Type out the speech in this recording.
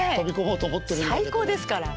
最高ですから。